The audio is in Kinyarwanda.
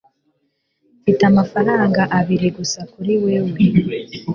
Mfite amafaranga abiri gusa kuri wewe